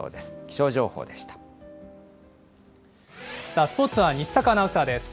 さあ、スポーツは西阪アナウンサーです。